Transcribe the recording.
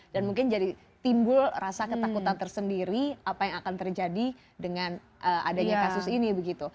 dan mungkin jadi timbul rasa ketakutan tersendiri apa yang akan terjadi dengan adanya kasus ini begitu